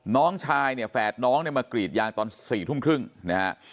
น้องชายเนี่ยแฝดน้องเนี่ยมากรีดยางตอน๔ทุ่มครึ่งนะฮะ